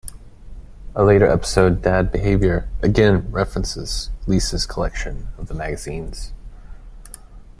A later episode, "Dad Behavior", again references Lisa's collection of the magazines.